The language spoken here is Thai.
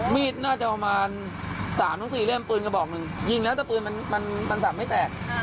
มีดน่าจะประมาณ๓๔เล่มปืนกระบอกหนึ่งยิงแล้วแต่ปืนมันมันสับไม่แตก